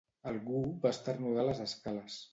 Algú va esternudar a les escales.